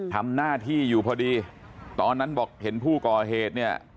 ทำหน้าที่อยู่พอดีตอนนั้นบอกเห็นผู้ก่อเหตุเนี่ย